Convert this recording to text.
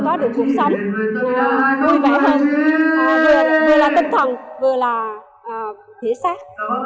vừa có được cuộc sống vui vẻ hơn vừa là tinh thần vừa là thể xác